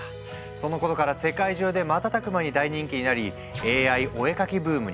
そのことから世界中で瞬く間に大人気になりＡＩお絵描きブームに。